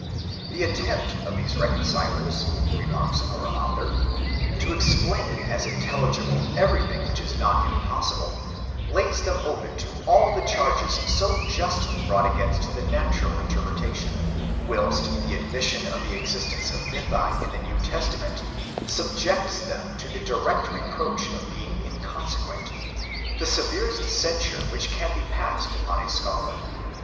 The attempt of these reconcilers, remarks our author, to explain as intelligible everything which is not impossible, lays them open to all the charges so justly brought against the natural interpretation ; whilst the admis sion of the existence of mythiin the New Testament subjects them to the direct reproach of being inconsequent: the severest censure which can be passed upon a scholar.